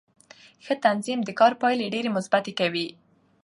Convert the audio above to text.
ښه تنظیم د کار پایلې ډېرې مثبتې کوي